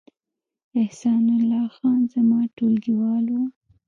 احسان الله خان زما ټولګیوال و